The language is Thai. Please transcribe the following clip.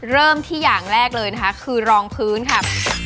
เริ่มที่อย่างแรกเลยนะคะคือรองพื้นค่ะ